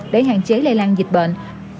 để hạn chế lây lan dịch bệnh